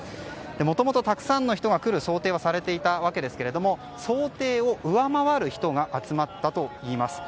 もともとたくさんの人が来る想定はされていたんですが想定を上回る人が集まったといいます。